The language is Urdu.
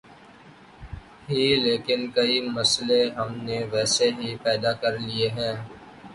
ہی لیکن کئی مسئلے ہم نے ویسے ہی پیدا کر لئے ہیں۔